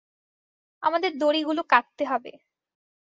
আমাদের দড়িগুলো কাটতে হবে।